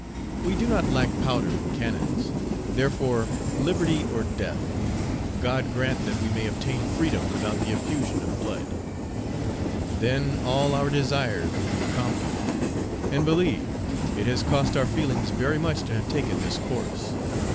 We do not lack powder and cannons. Therefore, Liberty or Death! God grant that we may obtain freedom without the effusion of blood! Then all our desires will be accomplished; and believe it has cost our feelings very much to have taken this course.